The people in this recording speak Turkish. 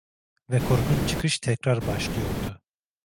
Ve korkunç çıkış tekrar başlıyordu.